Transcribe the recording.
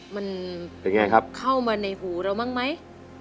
มันเข้ามาในหูเราบ้างไหม